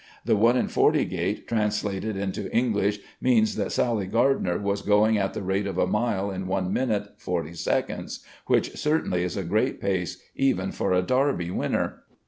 The 1:40 gait translated into English means that Sally Gardner was going at the rate of a mile in one minute forty seconds, which certainly is a great pace even for a Derby winner.